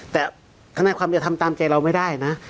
แต่ทนายความจะทำตามใจเราไม่ได้นะ